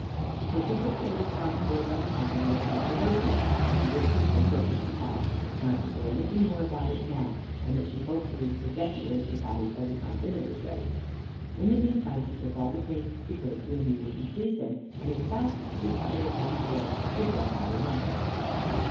So she took the little crying boy by the hand and led him up to her room, and she whispered to the cook, as she passed, not to say anything more about it now, and that she hoped he would forget the oyster patties by the time dinner was ready. In the meantime she took all the pains she could to amuse and please him, and as fast as he grew tired of one toy she brought out another.